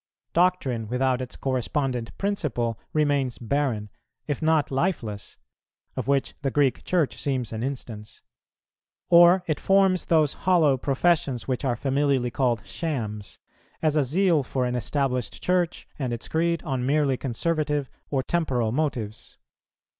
Doctrine without its correspondent principle remains barren, if not lifeless, of which the Greek Church seems an instance; or it forms those hollow professions which are familiarly called "shams," as a zeal for an established Church and its creed on merely conservative or temporal motives.